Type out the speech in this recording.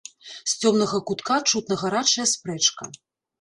З цёмнага кутка чутна гарачая спрэчка.